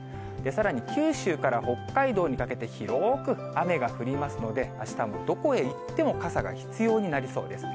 さらに九州から北海道にかけて、広く雨が降りますので、あしたはどこへ行っても傘が必要になりそうです。